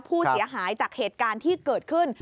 ผู้เสียหายจากเหตุการณ์ที่เกิดขึ้น